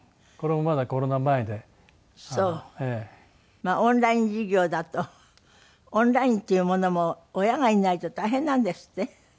まあオンライン授業だとオンラインというものも親がいないと大変なんですって？